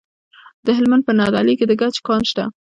د هلمند په نادعلي کې د ګچ کان شته.